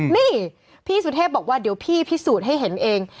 นี่พี่สุเทพบอกว่าเดี๋ยวพี่พิสูจน์ให้เห็นเอง